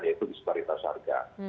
yaitu disparitas harga